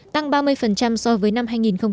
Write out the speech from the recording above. tăng ba mươi so với năm hai nghìn một mươi bảy